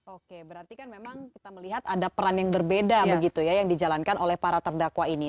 oke berarti kan memang kita melihat ada peran yang berbeda begitu ya yang dijalankan oleh para terdakwa ini